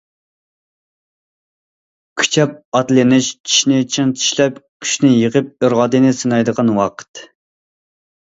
كۈچەپ ئاتلىنىش چىشنى چىڭ چىشلەپ، كۈچنى يىغىپ، ئىرادىنى سىنايدىغان ۋاقىت.